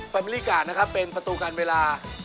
แฟมิลี่การ์ดนะครับเป็นประตูกันเวลา